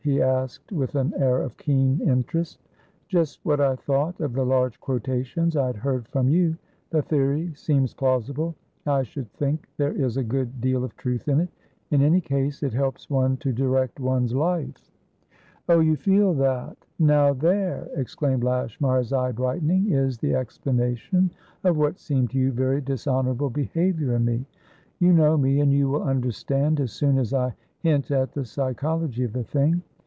he asked, with an air of keen interest. "Just what I thought of the large quotations I had heard from you. The theory seems plausible; I should think there is a good deal of truth in it. In any case, it helps one to direct one's life." "Oh, you feel that? Now there," exclaimed Lashmar, his eye brightening, "is the explanation of what seemed to you very dishonourable behaviour in me. You know me, and you will understand as soon as I hint at the psychology of the thing.